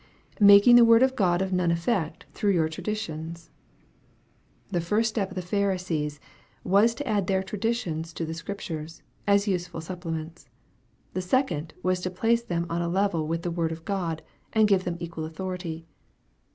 " Making the Word of God of none effect through your traditions." The first step of the Pharisees, was to add their traditions to the Scriptures, as useful supplements. The second was to place them on a level with the Word of God, and give them equal authority.